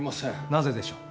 なぜでしょう？